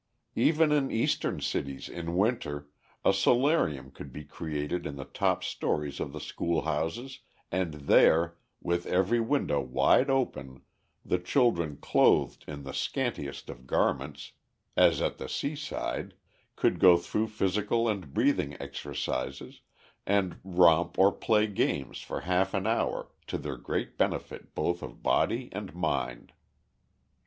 Even in Eastern cities, in winter, a solarium could be created in the top stories of the schoolhouses, and there, with every window wide open, the children clothed in the scantiest of garments, as at the seaside, could go through physical and breathing exercises, and romp or play games for half an hour, to their great benefit both of body and mind.